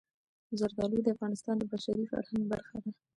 زردالو د افغانستان د بشري فرهنګ برخه ده.